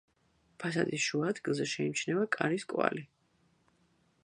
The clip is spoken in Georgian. ფასადის შუა ადგილზე შეიმჩნევა კარის კვალი.